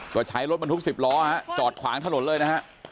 ก็ใช้รถบรรทุก๑๐ล้อจอดขวางถนนเลยนะฮะ